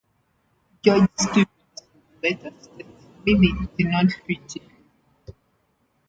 George Stevens would later state: Millie did not fit in.